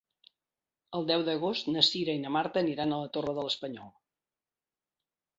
El deu d'agost na Cira i na Marta aniran a la Torre de l'Espanyol.